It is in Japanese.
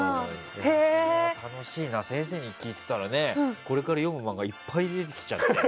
楽しいな、先生に聞いていたらこれから読む漫画がいっぱい出てきちゃう。